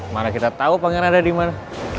mana kita tahu pangeran ada di mana